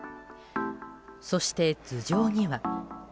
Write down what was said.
そして頭上には。